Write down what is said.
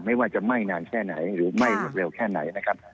ไม่ว่าจะไหม้นานแค่ไหนหรือไหม้อย่าเร็วแค่ไหน